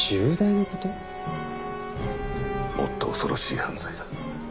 もっと恐ろしい犯罪だ。